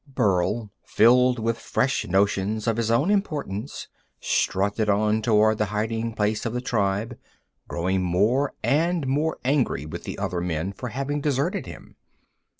Burl, filled with fresh notions of his own importance, strutted on toward the hiding place of the tribe, growing more and more angry with the other men for having deserted him.